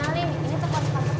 kenalin ini toko sekolah ke satu